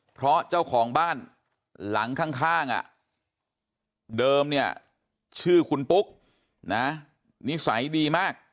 เพราะเจ้าของบ้านหลังข้างเดิมเนี่ยชื่อคุณปุ๊กนะนิสัยดีมาก